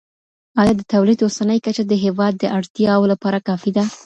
ایا د تولید اوسنۍ کچه د هیواد د اړتیاوو لپاره کافي ده؟